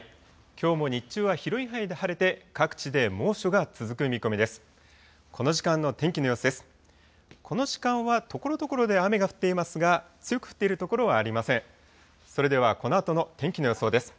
きょうも日中は広い範囲で晴れて、各地で猛暑が続く見込みです。